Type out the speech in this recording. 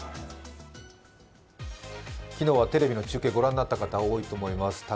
昨日はテレビの中継御覧になった方多いと思います。